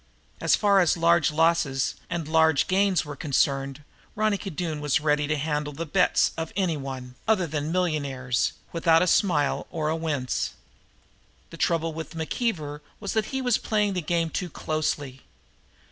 As far as large losses and large gains were concerned, Ronicky Doone was ready to handle the bets of anyone, other than millionaires, without a smile or a wince. The trouble with McKeever was that he was playing the game too closely.